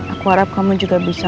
aku harap kamu juga bisa